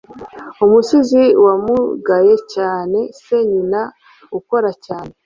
umusizi wamugaye cyane se, nyina ukora cyane